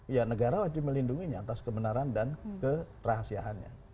ya negara wajib melindunginya atas kebenaran dan kerahasiaannya